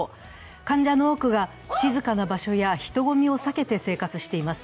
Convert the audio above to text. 患者の多くが静かな場所や人混みを避けて生活しています。